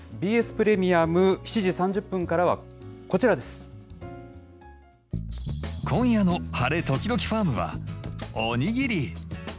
ＢＳプレミアム、７時３０分から今夜の晴れ、ときどきファーム！はおにぎり。